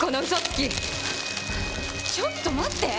ちょっと待って！